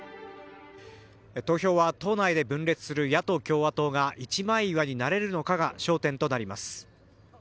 投票は党内で分裂する野党・共和党が一枚岩になれるのかが焦点となります。